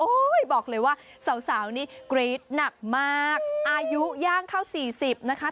บอกเลยว่าสาวนี่กรี๊ดหนักมากอายุย่างเข้า๔๐นะคะ